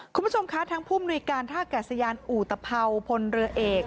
คุณผู้ชมคะทางผู้มนุยการท่ากัดสยานอุตภัวพลเรือเอก